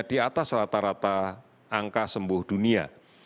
di atas rata rata angka sembuh dunia